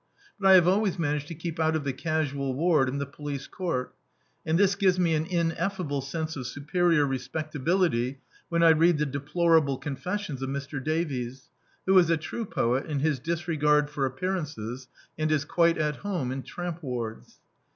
But I have always man aged to keep out of the casual ward and the police court ; and this gives me an ineffable sense of superior respectability when I read the deplorable confessions of Mr. Davies, who is a true poet in his disregard for appearances, and is quite at home in tramp wards.